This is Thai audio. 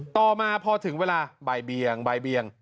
ต่อมาพอถึงเวลาใบเบียง